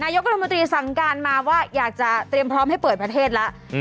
อยากจะเตรียมพร้อมให้เปิดประเทศแล้ว